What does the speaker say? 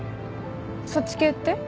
そっち系って？